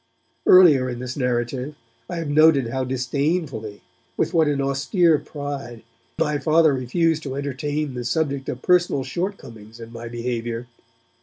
Earlier in this narrative I have noted how disdainfully, with what an austere pride, my Father refused to entertain the subject of personal shortcomings in my behaviour.